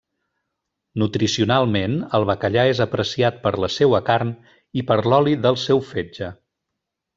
Nutricionalment, el bacallà és apreciat per la seua carn i per l'oli del seu fetge.